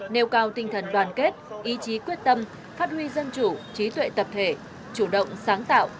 nêu cao tinh thần đoàn kết ý chí quyết tâm phát huy dân chủ trí tuệ tập thể chủ động sáng tạo